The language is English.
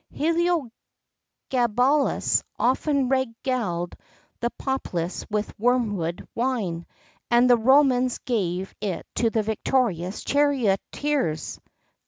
Heliogabalus often regaled the populace with wormwood wine,[X 52] and the Romans gave it to the victorious charioteers.